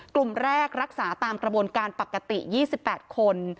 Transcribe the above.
กลุ่มแรกรักษาตามกระบวนการปกติ๒๘คน